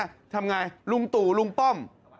ทำอย่างไรลุงตู่ลุงป้อม